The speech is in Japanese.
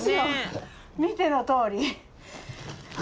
見てのとおり。